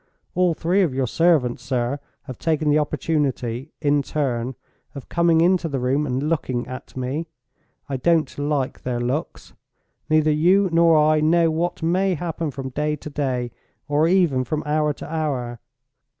All three of your servants, sir, have taken the opportunity, in turn, of coming into the room and looking at me. I don't like their looks! Neither you nor I know what may happen from day to day, or even from hour to hour.